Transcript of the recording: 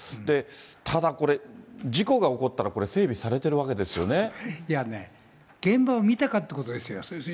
ただこれ、事故が起こったら、これ、いやね、現場を見たかっていうことですよ。